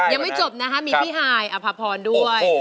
ยังไม่จบนะคะมีพี่ฮายอภพรด้วย